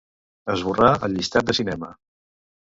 Esborrar el llistat de cinema.